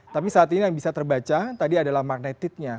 tapi saat ini yang bisa terbaca tadi adalah magnetiknya